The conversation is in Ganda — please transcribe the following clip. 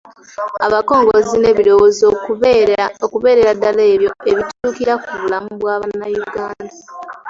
Abakongozzi n’ebirowoozo okubeerera ddala ebyo ebituukira ku bulamu bwa Bannayuganda